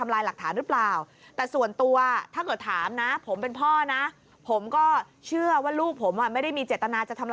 ลูกพ่อกับความสัมพันธ์